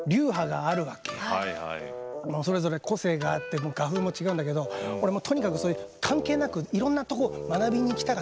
それぞれ個性があって画風も違うんだけど俺もうとにかくそういう関係なくいろんなとこ学びに行きたかったから。